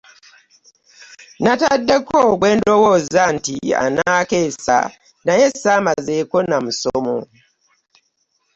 Nataddeko gwendowoza nti ananakensa naye samazeeko n'amusomo .